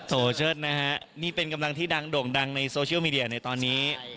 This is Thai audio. โชเชิดนะฮะนี่เป็นกำลังที่ดังโด่งดังในโซเชียลมีเดียในตอนนี้